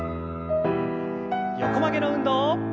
横曲げの運動。